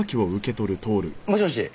もしもし。